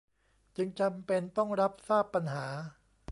จึงจำเป็นต้องรับทราบปัญหา